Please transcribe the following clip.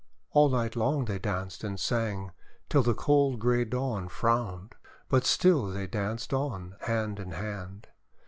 All night long they danced and sang, till the cold grey Dawn frowned. But still they danced on, hand in hand.